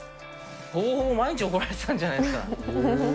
ほぼほぼ毎日怒られてたんじゃないですか。